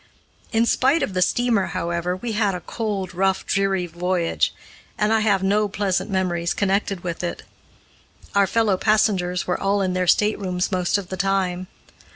In spite of the steamer, however, we had a cold, rough, dreary voyage, and I have no pleasant memories connected with it. Our fellow passengers were all in their staterooms most of the time.